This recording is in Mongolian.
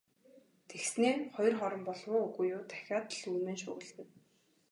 Тэгснээ хоёр хором болов уу, үгүй юу дахиад л үймэн шуугилдана.